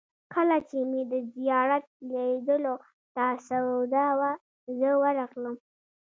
کله چې مې د زیارت لیدلو ته سودا وه، زه ورغلم.